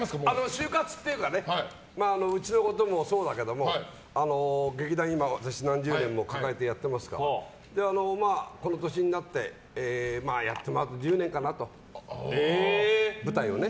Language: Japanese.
終活っていうかうちのこともそうだけど劇団、今、私、何十年も抱えてやっていますがこの年になってやってもあと１０年かなと舞台をね。